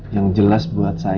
yang jelas buat saya